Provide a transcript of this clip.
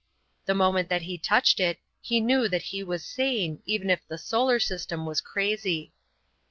The moment that he touched it he knew that he was sane even if the solar system was crazy.